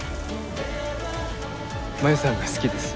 真夢さんが好きです。